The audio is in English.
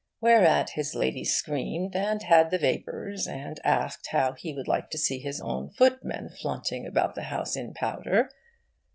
Whereat his Lady screamed and had the vapours and asked how he would like to see his own footmen flaunting about the house in powder.